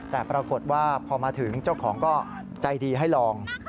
แต่ปรากฏว่าพอมาถึงเจ้าของก็ใจดีให้ลอง